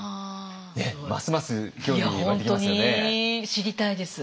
知りたいです。